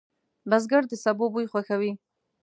بزګر د سبو بوی خوښوي